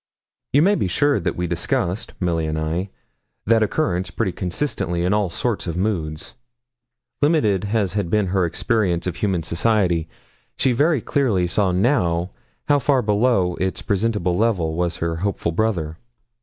You may be sure that we discussed, Milly and I, that occurrence pretty constantly in all sorts of moods. Limited as had been her experience of human society, she very clearly saw now how far below its presentable level was her hopeful brother.